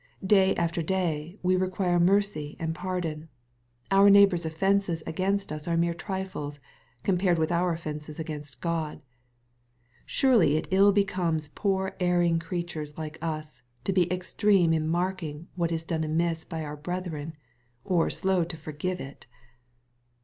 Day after day we require mercy and pardon. Our neighbors' offences against us are mere trifles, com pared with our offences against God . Surely it ill becomes poor erring creatures like us, to be extreme in marking what is done amiss by our brethren, or slow to forgive it.